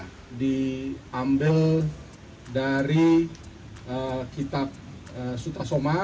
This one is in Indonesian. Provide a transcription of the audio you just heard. ini diambil dari kitab suta soma